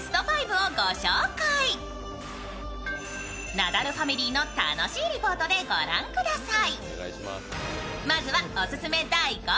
ナダルファミリーの楽しいリポートで御覧ください。